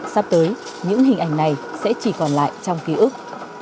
sắp tới những hình ảnh này sẽ chỉ còn lại trong ký ức